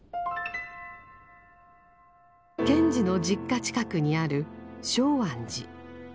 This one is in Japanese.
賢治の実家近くにある松庵寺。